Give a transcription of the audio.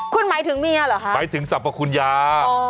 คุณหมายถึงเมียเหรอคะหมายถึงสรรพคุณยา